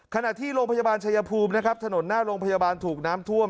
ขณะที่โรงพยาบาลชายภูมินะครับถนนหน้าโรงพยาบาลถูกน้ำท่วม